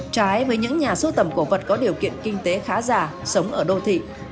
trái với những nhà sưu tầm cổ vật có điều kiện kinh tế khá giả sống ở đô thị